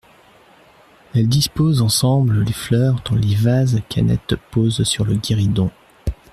Elles disposent ensemble les fleurs dans les vases qu’Annette pose sur le guéridon.